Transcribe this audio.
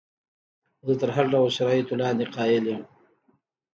زه تر هر ډول شرایطو لاندې قایل یم.